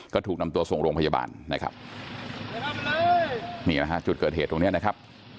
ก็ถูกนำตัวส่งโรงพยาบาลนะครับนี่นะฮะจุดเกิดเหตุตรงเนี้ยนะครับ